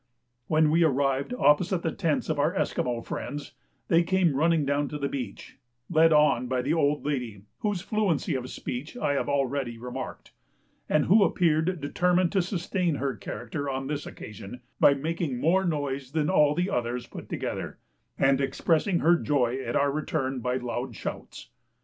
When we arrived opposite the tents of our Esquimaux friends, they came running down to the beach led on by the old lady whose fluency of speech I have already remarked, and who appeared determined to sustain her character on this occasion by making more noise than all the others put together, and expressing her joy at our return by loud shouts.